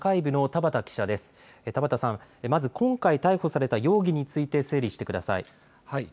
田畑さん、まず今回逮捕された容疑について整理してください。